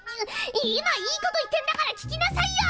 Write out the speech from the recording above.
今いいこと言ってんだから聞きなさいよ！